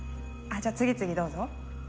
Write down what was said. じゃあ次々どうぞ。